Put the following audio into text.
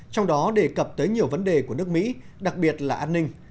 trong đó đề cập tới nhiều vấn đề của nước mỹ đặc biệt là an ninh